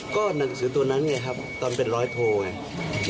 ก็หนังสือตัวนั้นไงครับตอนเป็นร้อยโทไง